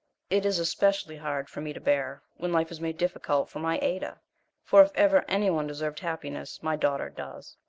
It is especially hard for me to bear, when life is made difficult for my Ada, for if ever any one deserved happiness my daughter does.